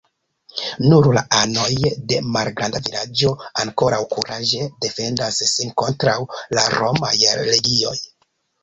Nur la anoj de malgranda vilaĝo ankoraŭ kuraĝe defendas sin kontraŭ la romaj legioj.